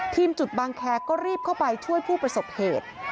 จุดบางแคร์ก็รีบเข้าไปช่วยผู้ประสบเหตุ